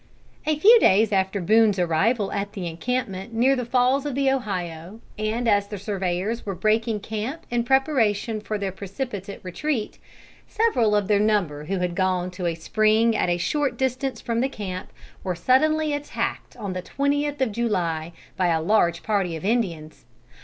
A few days after Boone's arrival at the encampment near the Falls of the Ohio, and as the surveyors were breaking camp in preparation for their precipitate retreat, several of their number who had gone to a spring at a short distance from the camp, were suddenly attacked on the twentieth of July by a large party of Indians.